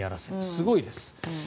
すごいです。